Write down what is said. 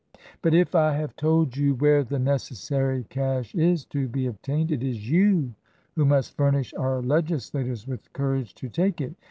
"But if I have told you where the necessary cash is to TRANSITION. 183 be obtained, it is you who must furnish our legislators with courage to take it